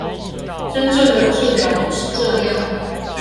真正的治療不是這樣